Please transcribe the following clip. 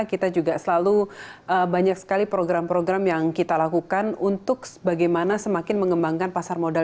kita juga selalu banyak sekali program program yang kita lakukan untuk bagaimana semakin mengembangkan pasar modal